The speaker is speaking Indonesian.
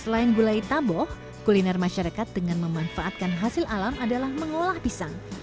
selain gulai taboh kuliner masyarakat dengan memanfaatkan hasil alam adalah mengolah pisang